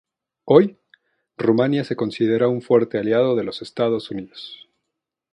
Hoy, Rumanía se considera un fuerte aliado de los Estados Unidos.